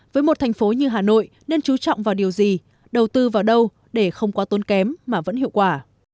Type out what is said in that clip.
với một thành phố như hà nội nên chú trọng vào điều gì đầu tư vào đâu để không quá tốn kém mà vẫn hiệu quả